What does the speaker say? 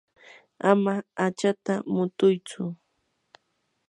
ama hachata mutuychu.